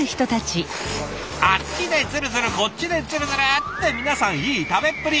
あっちでズルズルこっちでズルズルって皆さんいい食べっぷり！